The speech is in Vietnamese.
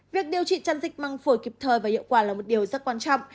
việc điều trị chăn dịch măng phổi kịp thời và hiệu quả là một điều rất quan trọng